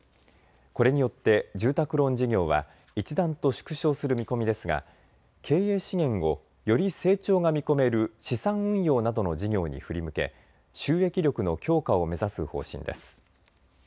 これによって住宅ローン事業は一段と縮小する見込みですが経営資源をより成長が見込める資産運用などの事業に振り向け収益力の強化を目指す方針です。